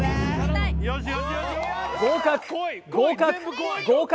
合格合格合格